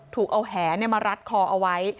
ถูกเอาแหมารัดคอเอาไว้